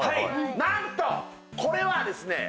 なんとこれはですね